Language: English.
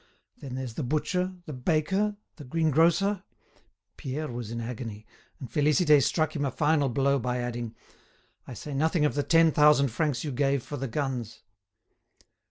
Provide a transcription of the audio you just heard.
Then there's the butcher, the baker, the greengrocer——" Pierre was in agony. And Félicité struck him a final blow by adding: "I say nothing of the ten thousand francs you gave for the guns."